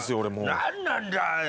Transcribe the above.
何なんだよ